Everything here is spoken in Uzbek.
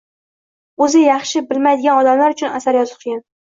O’zi yaxshi bilmaydigan odamlar uchun asar yozish qiyin.